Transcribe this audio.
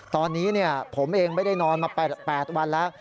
ตอนนี้ผมเองไม่ได้นอนมา๘วันแล้ว